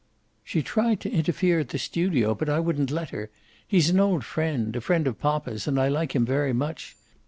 "She tried to interfere at the studio, but I wouldn't let her. He's an old friend a friend of poppa's and I like him very much.